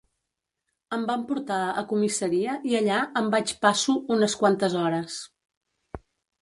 Em van portar a comissaria i allà em vaig passo unes quantes hores.